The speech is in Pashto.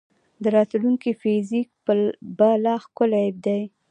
د راتلونکي فزیک به لا ښکلی دی.